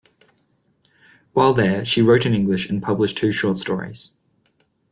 While there, she wrote in English and published two short stories.